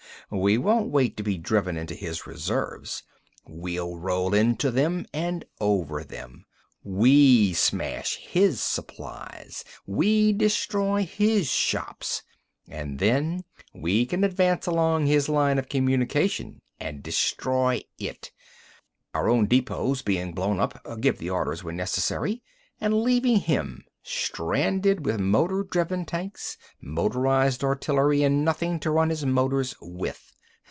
We don't wait to be driven into his reserves. We roll into them and over them! We smash his supplies! We destroy his shops! And then we can advance along his line of communication and destroy it, our own depots being blown up—give the orders when necessary—and leaving him stranded with motor driven tanks, motorized artillery, and nothing to run his motors with!